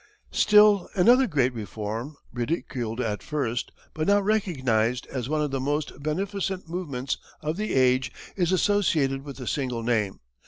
Still another great reform, ridiculed at first, but now recognized as one of the most beneficent movements of the age is associated with a single name.